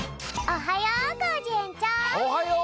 おはよう！